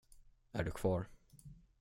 Är du kvar?